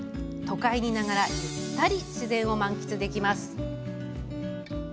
都会にいながらゆったり自然を満喫できます。